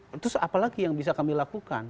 terus apa lagi yang bisa kami lakukan